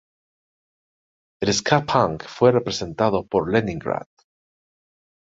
El ska punk fue representado por Leningrad.